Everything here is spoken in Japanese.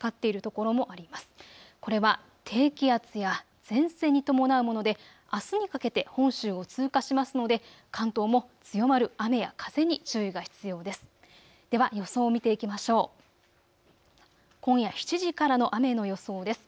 これは低気圧や前線に伴うものであすにかけて本州を通過しますので関東も強まる雨や風に注意が必要です。